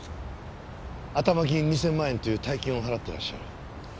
頭金２０００万円という大金を払ってらっしゃる。